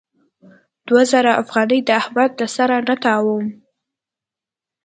دوه زره افغانۍ د احمد له سره نه تاووم.